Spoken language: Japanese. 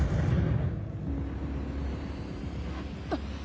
あっ！